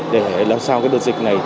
để làm sao cái đợt dịch này